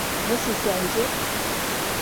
Nasıl sence?